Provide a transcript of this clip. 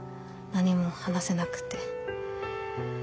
何も話せなくて。